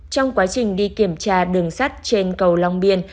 trong quá trình đi kiểm tra đường sắt trên cầu long biên